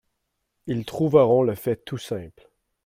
Ils trouveront le fait tout simple.